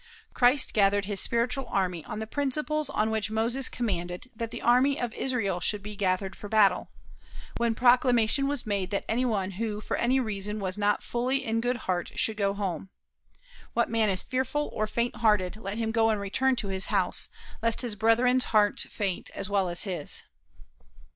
Christ gathered his spiritual army on the principles on which Moses commanded that the army of Israel should be gathered for battle, when proclamation was made that any one who for any reason was not fully in good heart should go home, "What man is fearful or faint hearted, let him go and return to his house, lest his brethren's heart faint as well as his."